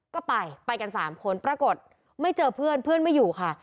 ก็ไปไปกัน๓คนปรากฏไม่เจอเพื่อนเพื่อนไม่อยู่ค่ะ